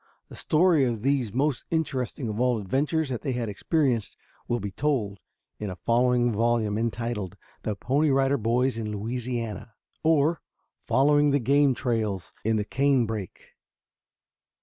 The story of these most interesting of all adventures that they had experienced will be told in a following volume entitled, "THE PONY RIDER BOYS IN LOUISIANA; or, Following the Game Trails in the Canebrake."